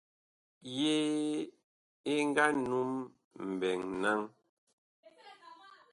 Yee ɛ nga num mɓɛɛŋ naŋ ?